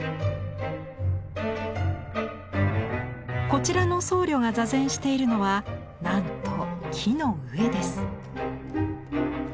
こちらの僧侶が坐禅しているのはなんと木の上です。